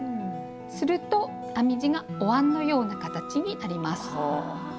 すると編み地がおわんのような形になります。